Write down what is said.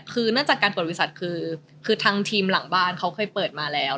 คือนอกจากการเปิดบริษัทคือทางทีมหลังบ้านเขาเคยเปิดมาแล้ว